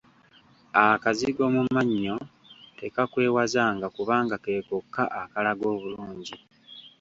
Akazigo mu mannyo tekakwewazanga kubanga ke kokka akalaga obulungi.